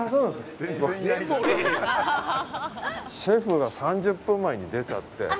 シェフが３０分前に出ちゃって。